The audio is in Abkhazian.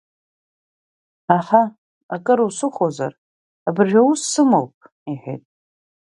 Аҳа, акыр усыхәозар, абыржәы аус сымоуп, — иҳәеит.